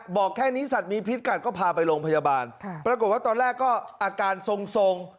บอกแค่นี้สัตว์มีพิษกัดก็พาไปโรงพยาบาลปรากฏว่าตอนแรกก็อาการทรง